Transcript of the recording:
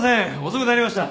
遅くなりました。